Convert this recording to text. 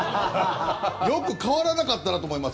よく代わらなかったなと思います。